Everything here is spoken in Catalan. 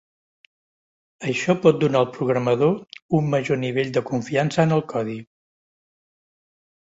Això pot donar al programador un major nivell de confiança en el codi.